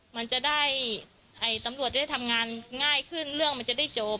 มันจะได้ตำรวจได้ทำงานง่ายขึ้นเรื่องมันจะได้จบ